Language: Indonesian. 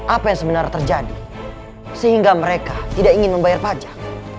apa yang sebenarnya terjadi sehingga mereka tidak ingin membayar pajak